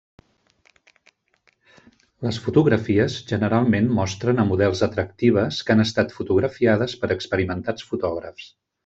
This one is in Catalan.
Les fotografies generalment mostren a models atractives que han estat fotografiades per experimentats fotògrafs.